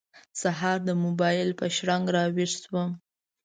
سهار د موبایل په شرنګ راوېښ شوم.